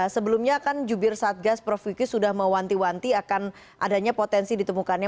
sebelumnya kan jubir satgas prof wiki sudah mewanti wanti akan adanya potensi ditemukannya